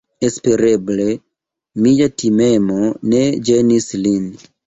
Espereble mia timemo ne ĝenis lin.